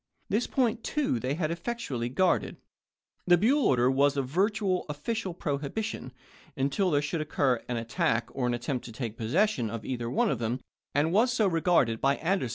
This point too they had effectually guarded. The Buell order was a virtual official prohibition until there should occur " an Doubieday, attack on or attempt to take possession of either iXter one of them," and was so regarded by Anderson trie!